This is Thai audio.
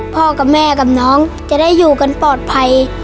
กับแม่กับน้องจะได้อยู่กันปลอดภัย